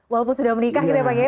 walaupun sudah menikah gitu ya pak ya